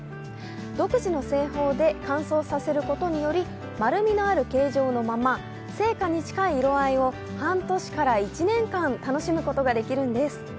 独自の製法で乾燥させることにより、丸みのある形状のまま生花に近い色合いを半年から１年間、楽しむことができるんです。